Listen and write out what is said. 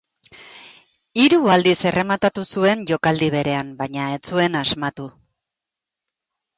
Hiru aldiz errematatu zuen jokaldi berean, baina ez zuen asmatu.